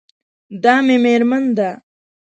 دا مې میرمن ده